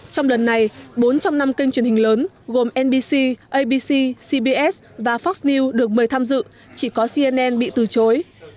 trong lần này bốn trong năm kênh truyền hình lớn gồm nbc abc cbs và fox news được mời tham dự chỉ có cnn bị từ chối